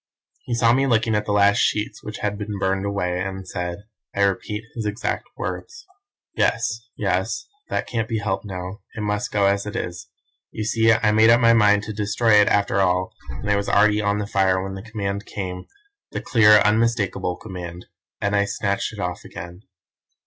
"He saw me looking at the last sheets, which had been burned away, and said (I repeat his exact words) "'Yes, yes, that can't be helped now, it must go as it is. You see I made up my mind to destroy it after all, and it was already on the fire when the command came the clear, unmistakable command and I snatched it off again.